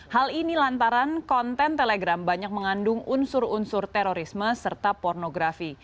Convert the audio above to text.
hal ini lantaran konten telegram banyak mengandung unsur unsur terorisme serta pornografi